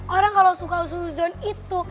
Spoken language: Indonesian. orang kalau suka zuzon itu